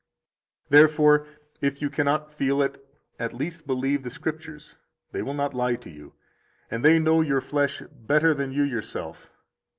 76 Therefore, if you cannot feel it, at least believe the Scriptures; they will not lie to you, and they know your flesh better than you yourself.